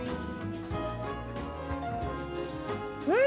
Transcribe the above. うん！